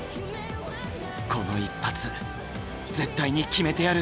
この一発絶対に決めてやる！